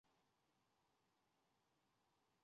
韦斯利人口变化图示